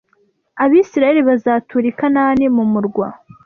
Abisirayeli bazatura I kanani mumurwa